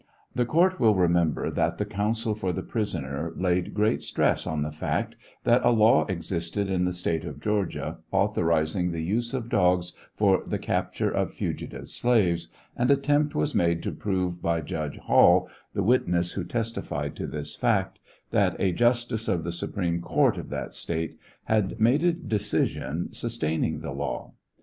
The court will remember that the counsel for the prisoner laid great stress on the fact that a law existed in the State of Georgia authorizing the use of dogs for the capture of fugitive slaves, and attempt was made to prove by Judge Hall, the witness who testified to this fact, that a justice of the supreme court of that State had made a decision sustaining the law.